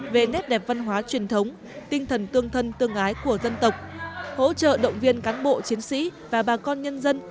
về nét đẹp văn hóa truyền thống tinh thần tương thân tương ái của dân tộc hỗ trợ động viên cán bộ chiến sĩ và bà con nhân dân